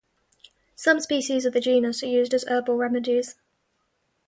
Some species of the genus are used as herbal remedies.